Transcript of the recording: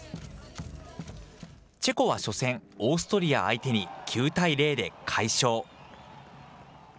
チェコは初戦、オーストリア相手に９対０で快勝。